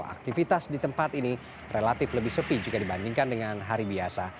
aktivitas di tempat ini relatif lebih sepi jika dibandingkan dengan hari biasa